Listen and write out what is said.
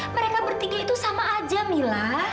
mereka bertiga itu sama aja mila